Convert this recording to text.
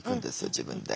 自分で。